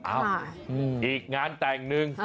อ้าวอีกงานแต่งหนึ่ง